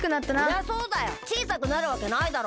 そりゃそうだよちいさくなるわけないだろ。